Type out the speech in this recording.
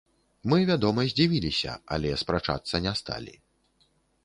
Мы, вядома, здзівіліся, але спрачацца не сталі.